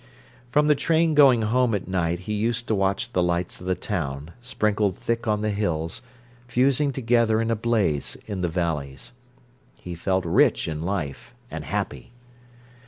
From the train going home at night he used to watch the lights of the town, sprinkled thick on the hills, fusing together in a blaze in the valleys. He felt rich in life and happy.